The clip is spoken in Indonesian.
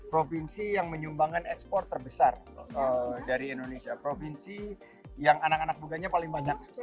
provinsi yang menyumbangkan ekspor terbesar dari indonesia provinsi yang anak anak mudanya paling banyak